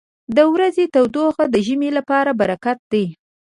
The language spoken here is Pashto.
• د ورځې تودوخه د ژمي لپاره برکت دی.